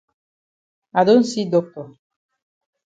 I don see doctor.